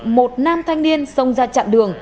một nam thanh niên xông ra chặn đường